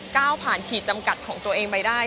ก้าวผ่านขีดจำกัดของตัวเองไปได้